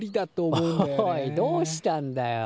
おいどうしたんだよ。